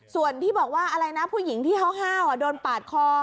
ส่วนที่บอกว่าอะไรนะผู้หญิงที่ห้าวโดนปาดคอ